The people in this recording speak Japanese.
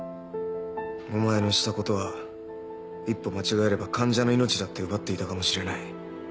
お前のしたことは一歩間違えれば患者の命だって奪っていたかもしれない。